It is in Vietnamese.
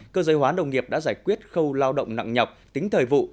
cơ giới hóa nông nghiệp đã giải quyết khâu lao động nặng nhọc tính thời vụ